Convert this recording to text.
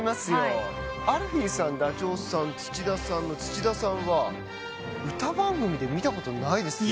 アルフィーさんダチョウさん土田さんの土田さんは歌番組で見たことないですね。